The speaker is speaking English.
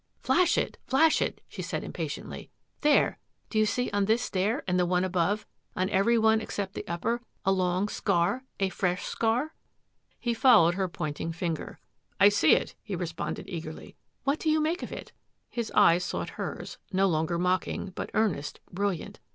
" Flash it ! Flash it !" she said impatiently. " There, do you see on this stair and the one above, on every one except the upper, a long scar — a fresh scar? " He followed her pointing finger. " I see it," he responded eagerly. " What do you make of it? " His eyes sought hers, no longer mocking, but earnest, brilliant.